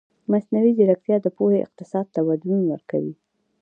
مصنوعي ځیرکتیا د پوهې اقتصاد ته بدلون ورکوي.